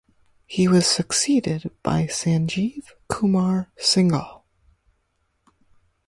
He was succeeded by Sanjeev Kumar Singhal.